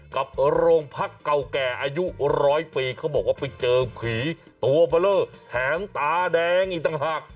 กับโรงพรรคเก่าแก่อายุร้อยปีเขาบอกว่าไปเจอผีโตเบลอแหงตาแดงอีกต่างหาก